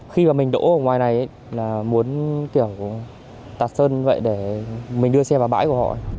khi mà mình đổ ở ngoài này là muốn kiểu tạt sơn vậy để mình đưa xe vào bãi của họ